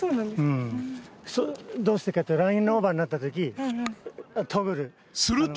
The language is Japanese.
うんどうしてかっていうとラインオーバーになった時とぶすると！